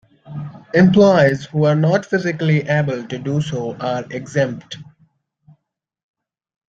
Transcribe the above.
Employees who are not physically able to do so are exempt.